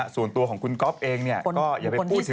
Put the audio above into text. ส่วนตัวของคุณก๊อฟเองเนี่ยก็อย่าไปพูดถึงเลย